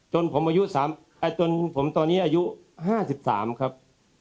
จนผมตอนนี้อายุ๕๓ครับ